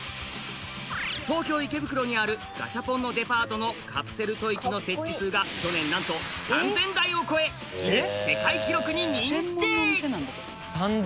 東京池袋にあるガシャポンのデパートのカプセルトイ機の設置数が去年なんと３０００台を超えギネス世界記録に認定！